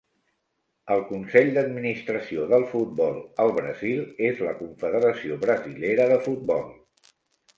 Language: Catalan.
El consell d'administració del futbol al Brasil és la Confederació Brasilera de Futbol.